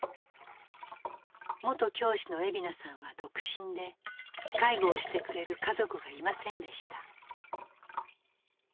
元教師の惠美奈さんは独身で介護をしてくれる家族がいませんでした。